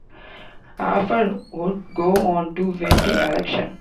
Hafer would go on to win the election.